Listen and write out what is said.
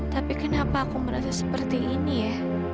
tapi kenapa aku merasa seperti ini ya